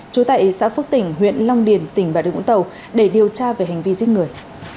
trú tại xã phước tỉnh huyện long điền tỉnh bà điều vũng tàu để điều tra về hành vi giết người